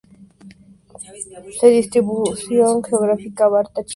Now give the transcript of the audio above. Su distribución geográfica abarca Chile y Argentina, migrando al centro para invernar.